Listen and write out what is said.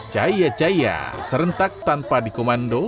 jaya jaya serentak tanpa dikomando